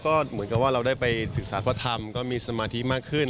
ก็เหมือนกับว่าเราได้ไปศึกษาพระธรรมก็มีสมาธิมากขึ้น